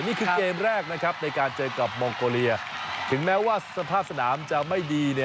นี่คือเกมแรกนะครับในการเจอกับมองโกเลียถึงแม้ว่าสภาพสนามจะไม่ดี